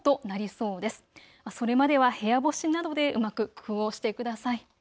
それまでは部屋干しなどでうまく工夫をしてください。